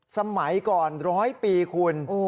สมัยก่อนร้อยปีคุณ